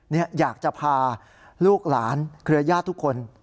อยากจะพาลูกหลานเครือญาติทุกคน